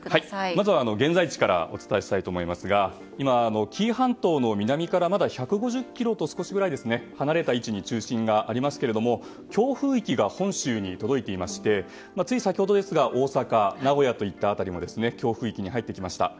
まず現在地からお伝えしたいと思いますが今、紀伊半島の南からまだ１５０ｋｍと少しぐらい離れた位置に中心がありますけど強風域が本州に届いていてつい先ほど、大阪や名古屋といった辺りも強風域に入ってきました。